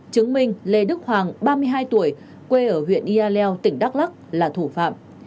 chứng minh lê đức hoàng ba mươi hai tuổi quê ở huyện yaleo tỉnh đắk lắc là thủ phạm